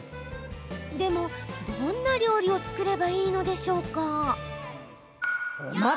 でも、どんな料理を作ればいいのでしょうか？